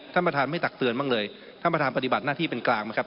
ท่านประธานไม่ตักเตือนบ้างเลยท่านประธานปฏิบัติหน้าที่เป็นกลางนะครับ